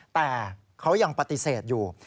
แต่เขายังปฏิเสธอยู่